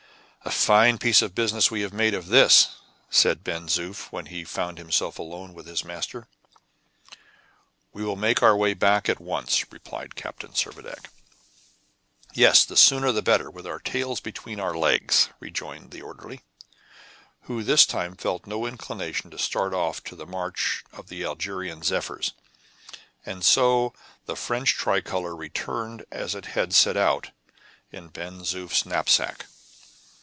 "A fine piece of business we have made of this!" said Ben Zoof, when he found himself alone with his master. "We will make our way back at once," replied Captain Servadac. "Yes, the sooner the better, with our tails between our legs," rejoined the orderly, who this time felt no inclination to start off to the march of the Algerian zephyrs. And so the French tricolor returned as it had set out in Ben Zoof's knapsack.